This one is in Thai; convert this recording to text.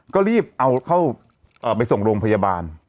ก็รีบเอาเข้าไปส่งโรงพยาบาล